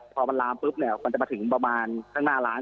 พอมันลามปุ๊บเนี่ยก่อนจะมาถึงประมาณข้างหน้าร้าน